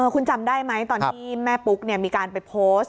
คุณจำได้ไหมตอนที่แม่ปุ๊กมีการไปโพสต์